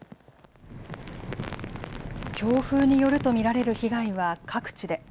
強風によると見られる被害は各地で。